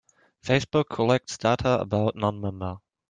Facebook collects data about non-members.